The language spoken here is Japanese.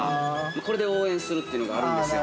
これで応援するっていうのがあるんですよ。